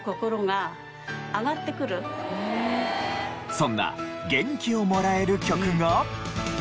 そんな元気をもらえる曲が。